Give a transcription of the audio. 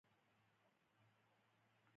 د نجونو تعلیم د بې کارۍ کچه کموي.